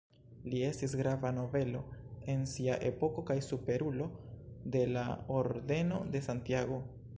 Li estis grava nobelo en sia epoko kaj Superulo de la Ordeno de Santiago.